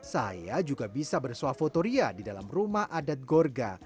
saya juga bisa bersuapotoria di dalam rumah adat gorga